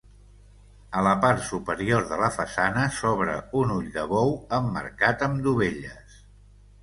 A la part superior de la façana s'obre un ull de bou emmarcat amb dovelles.